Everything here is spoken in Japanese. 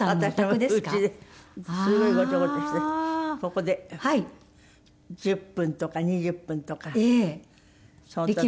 ここで１０分とか２０分とかその時に。